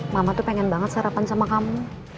mama tuh pengen banget sarapan sama kamu